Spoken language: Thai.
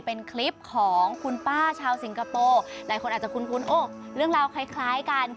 เป็นคลิปของคุณป้าชาวสิงคโปร์หลายคนอาจจะคุ้นคุณเนอกเคยคิ้นกัน